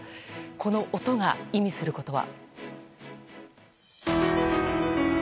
この音が意味することは。